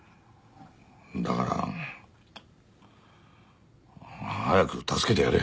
だから早く助けてやれよ。